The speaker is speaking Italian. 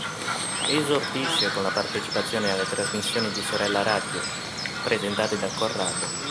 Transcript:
Esordisce con la partecipazione alle trasmissioni di "Sorella Radio" presentate da Corrado.